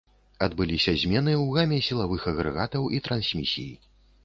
Адбыліся змены ў гаме сілавых агрэгатаў і трансмісій.